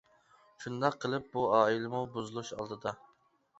شۇنداق قىلىپ بۇ ئائىلىمۇ بۇزۇلۇش ئالدىدا.